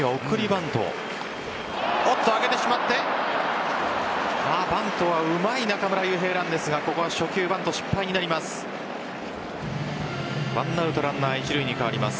バントはうまい中村悠平なんですが、ここは初球バント失敗になります。